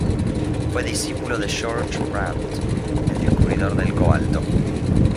Fue discípulo de Georg Brandt, el descubridor del cobalto.